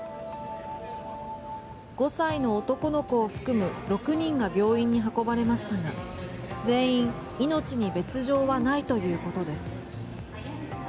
５歳の男の子を含む６人が病院に運ばれましたが全員命に別条はないということです。